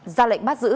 ra lệnh bắt giữ